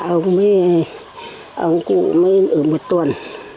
ông cụ mới ở một tuần